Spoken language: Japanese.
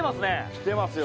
「きてますよ